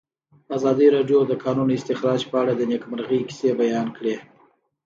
ازادي راډیو د د کانونو استخراج په اړه د نېکمرغۍ کیسې بیان کړې.